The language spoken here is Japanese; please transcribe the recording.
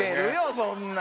そんなん。